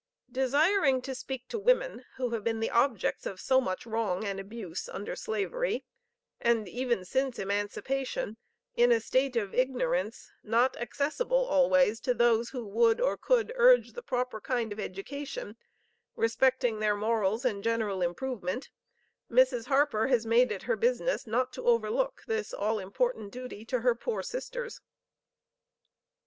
Desiring to speak to women who have been the objects of so much wrong and abuse under Slavery, and even since Emancipation, in a state of ignorance, not accessible always to those who would or could urge the proper kind of education respecting their morals and general improvement, Mrs. Harper has made it her business not to overlook this all important duty to her poor sisters.